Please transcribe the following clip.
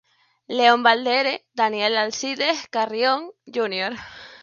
León Velarde, Daniel Alcides Carrión, Jr.